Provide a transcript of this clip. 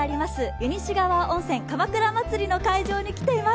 湯西川温泉かまくら祭の会場に来ています。